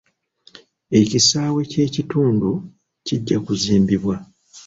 Ekisaawe ky'ekitundu kijja kuzimbibwa.